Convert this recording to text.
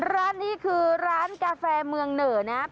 ร้านนี้คือร้านกาแฟเมืองเหนอนะครับ